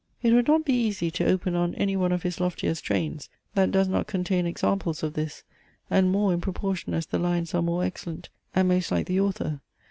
It would not be easy to open on any one of his loftier strains, that does not contain examples of this; and more in proportion as the lines are more excellent, and most like the author.